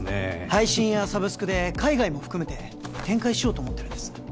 配信やサブスクで海外も含めて展開しようと思ってるんです